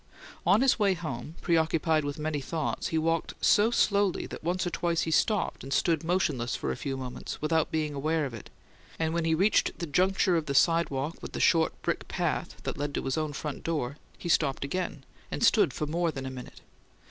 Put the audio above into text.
On his way home, preoccupied with many thoughts, he walked so slowly that once or twice he stopped and stood motionless for a few moments, without being aware of it; and when he reached the juncture of the sidewalk with the short brick path that led to his own front door, he stopped again, and stood for more than a minute.